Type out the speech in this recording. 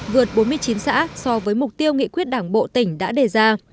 vượt bốn mươi chín xã so với mục tiêu nghị quyết đảng bộ tỉnh đã đề ra